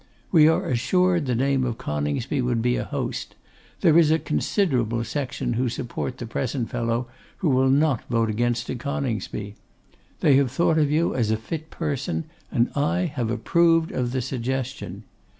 We are assured the name of Coningsby would be a host; there is a considerable section who support the present fellow who will not vote against a Coningsby. They have thought of you as a fit person, and I have approved of the suggestion.